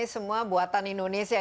semua buatan indonesia